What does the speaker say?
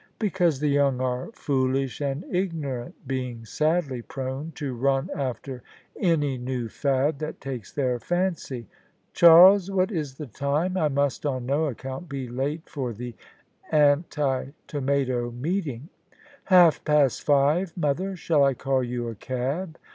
" Because the young are foolish and ignorant, being sadly prone to run after any new fad that takes their fancy. Charles, what is the time? I must on no account be late for the Anti Tomato meeting." " Half past five, mother. Shall I call you a cab?